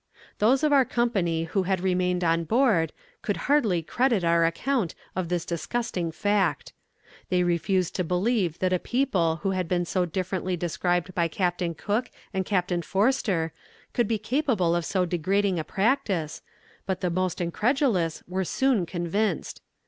"Those of our company who had remained on board, could hardly credit our account of this disgusting fact. They refused to believe that a people who had been so differently described by Captain Cook and Captain Forster could be capable of so degrading a practice, but the most incredulous were soon convinced.